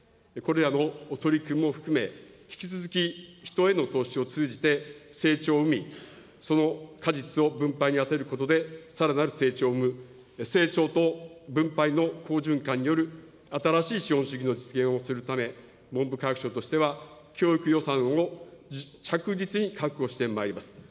これらの取り組みも含め、引き続き人への投資を通じて成長を生み、その果実を分配に充てることでさらなる成長を生む、成長と分配の好循環による新しい資本主義の実現をするため、文部科学省としては、教育予算を着実に確保してまいります。